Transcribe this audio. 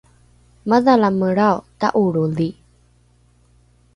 madhalamelrao ta’olroli